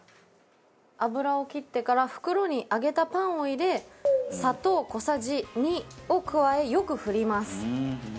油を切ってから袋に揚げたパンを入れ砂糖小さじ２を加えよく振ります。